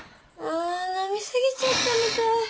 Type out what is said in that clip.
あ飲み過ぎちゃったみたい。